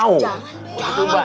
jangan kong si ba bek